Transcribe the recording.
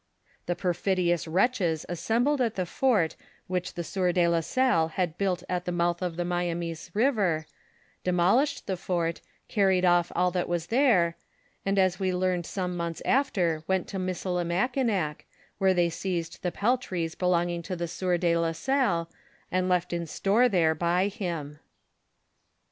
The perfidious wretches assembled at the fort which the sieur de la Salle had built at the mouth of the Myamis' river, demolished the fort, carried off all that was there, and as we learned soiue months after, went to Missilimackinac, where they seized the peltries belonging to the sieur de la Salle, and left in store there by him.